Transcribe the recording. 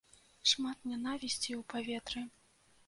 Шмат нянавісці ў паветры.